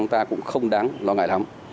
chúng ta cũng không đáng lo ngại lắm